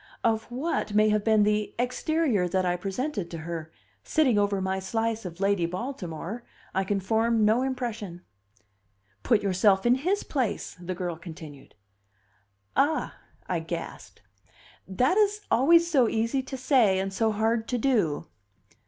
Of what may have been the exterior that I presented to her, sitting over my slice of Lady Baltimore, I can form no impression. "Put yourself in his place," the girl continued. "Ah," I gasped, "that is always so easy to say and so hard to do."